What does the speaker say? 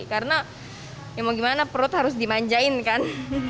karena ya mau gimana perut harus dimanjain kan